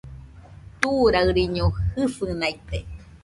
Turaɨriño jɨsɨnaite